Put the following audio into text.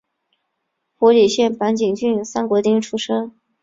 福井县坂井郡三国町出身。